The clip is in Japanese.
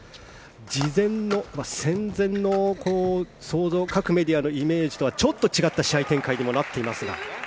事前の、戦前の想像各メディアのイメージとはちょっと違った試合展開にもなっていますが。